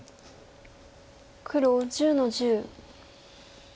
黒１０の十。